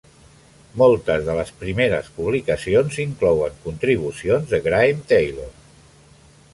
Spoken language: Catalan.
Moltes de les primeres publicacions inclouen contribucions de Graeme Taylor.